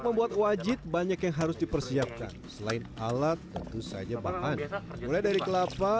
membuat wajit banyak yang harus dipersiapkan selain alat tentu saja bahan mulai dari kelapa